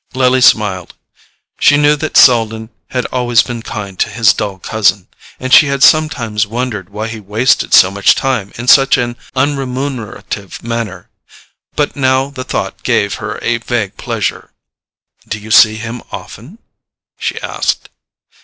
Lily smiled: she knew that Selden had always been kind to his dull cousin, and she had sometimes wondered why he wasted so much time in such an unremunerative manner; but now the thought gave her a vague pleasure. "Do you see him often?" she asked.